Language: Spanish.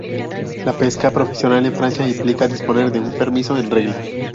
La pesca profesional en Francia implica disponer de un permiso en regla.